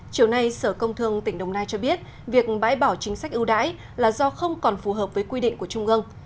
chiều nay sở công thương tỉnh đồng nai cho biết việc bãi bỏ chính sách ưu đãi là do không còn phù hợp với quy định của trung ương